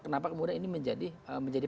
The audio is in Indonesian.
kenapa kemudian ini menjadi